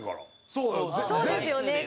そうですよね。